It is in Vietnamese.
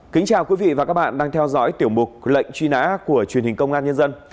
kính chào quý vị và các bạn đang theo dõi tiểu mục lệnh truy nã của truyền hình công an nhân dân